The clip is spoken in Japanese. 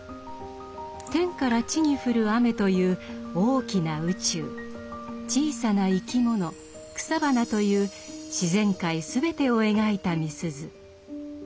天から地にふる雨という大きな宇宙小さな生き物草花という自然界全てを描いたみすゞ。